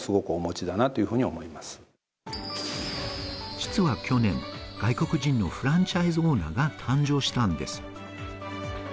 実は去年、外国人のフランチャイズオーナーが誕生したんです。